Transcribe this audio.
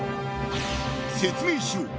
［説明しよう